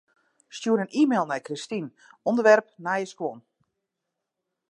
Stjoer in e-mail nei Kristine, ûnderwerp nije skuon.